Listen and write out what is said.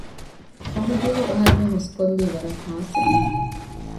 ފަހު ދުވަހު އަހަރެމެން ހުސްކޮށްލީ ވަރަށް ޚާއްސަ މީހަކަށް